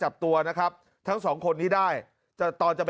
กะลาวบอกว่าก่อนเกิดเหตุ